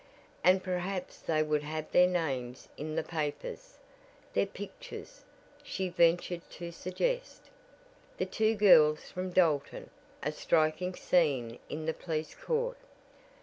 And perhaps they would have their names in the papers, their pictures, she ventured to suggest. "The two girls from Dalton!" "A striking scene in the police court!"